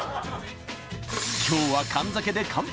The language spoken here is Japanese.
今日は燗酒で乾杯！